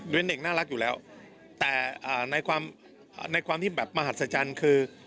เป็นเด็กน่ารักอยู่แล้วแต่ในความที่แบบมหัศจรรย์คือ